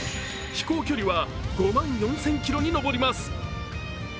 飛行距離は５万４０００ｋｍに上ります。